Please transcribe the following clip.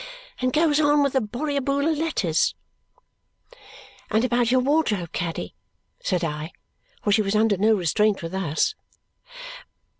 and goes on with the Borrioboola letters." "And about your wardrobe, Caddy?" said I. For she was under no restraint with us.